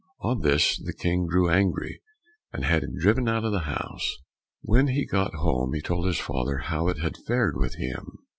On this the King grew angry, and had him driven out of the house. When he got home he told his father how it had fared with him.